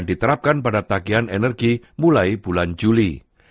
diterapkan pada tagian energi mulai bulan juli